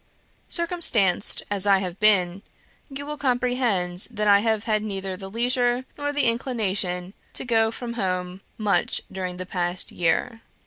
"Circumstanced as I have been, you will comprehend that I have had neither the leisure nor the inclination to go from home much during the past year.